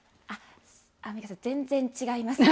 アンミカさん、全然違います。